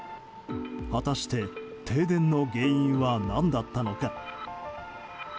果たして停電の原因は何だったのか。